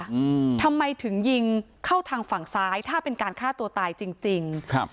อืมทำไมถึงยิงเข้าทางฝั่งซ้ายถ้าเป็นการฆ่าตัวตายจริงจริงครับ